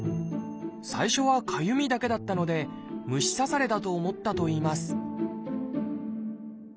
最初はかゆみだけだったので虫刺されだと思ったといいます